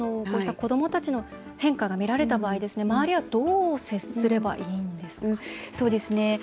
こうした子どもたちの変化が見られた場合、周りはどう接すればいいんですか？